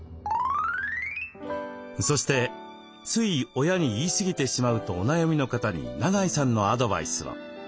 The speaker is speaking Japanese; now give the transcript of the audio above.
そして「つい親に言い過ぎてしまう」とお悩みの方に永井さんのアドバイスを。